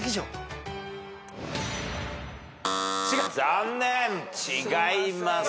残念違います。